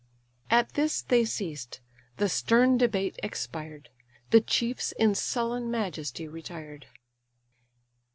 At this they ceased: the stern debate expired: The chiefs in sullen majesty retired.